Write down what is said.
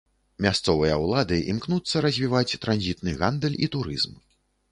Мясцовыя ўлады імкнуцца развіваць транзітны гандаль і турызм.